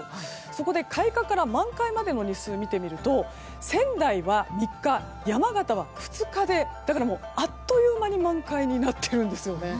そこで開花から満開までの日数を見てみると仙台は３日、山形は２日であっという間で満開になっているんです。